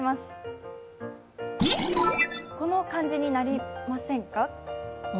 この漢字になりませんか？